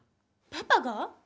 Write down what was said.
パパが？